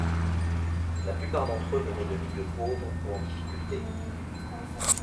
La plupart d'entre eux venaient de milieux pauvres ou en difficulté.